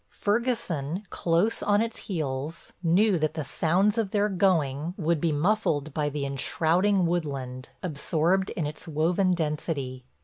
Ferguson, close on its heels, knew that the sounds of their going would be muffled by the enshrouding woodland, absorbed in its woven density.